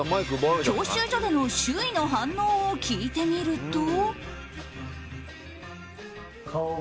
教習所での周囲の反応を聞いてみると。